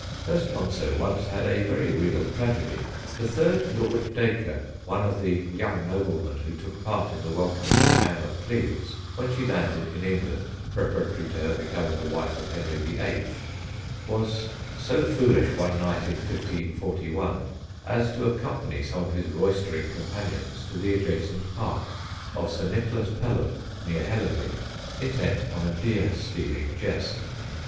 [Sidenote: THE UNFORTUNATE LORD DACRE] Hurstmonceux once had a very real tragedy. The third Lord Dacre, one of the young noblemen who took part in the welcoming of Ann of Cleves when she landed in England preparatory to her becoming the wife of Henry VIII., was so foolish one night in 1541 as to accompany some of his roystering companions to the adjacent park of Sir Nicholas Pelham, near Hellingly, intent on a deer stealing jest.